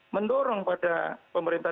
mendorong pada pemerintah